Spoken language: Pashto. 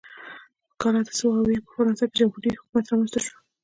په کال اته سوه اویا په فرانسه کې جمهوري حکومت رامنځته شو.